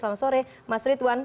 selamat sore mas ridwan